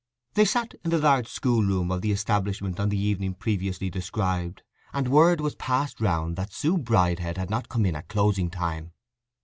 They sat in the large school room of the establishment on the evening previously described, and word was passed round that Sue Bridehead had not come in at closing time.